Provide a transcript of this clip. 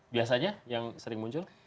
biasanya yang sering muncul